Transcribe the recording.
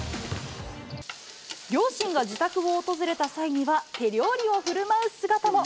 両親が自宅を訪れた際には、手料理をふるまう姿も。